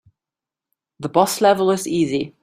The boss level is easy.